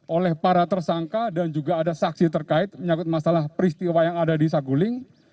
oleh para tersangka dan juga ada saksi terkait menyangkut masalah peristiwa yang ada di saguling